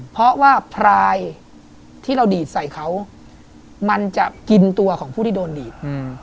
เพราะว่าพรายที่เราดีดใส่เขามันจะกินตัวของผู้ที่โดนดีด